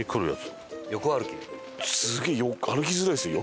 すげえ歩きづらいですよ余計。